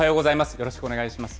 よろしくお願いします。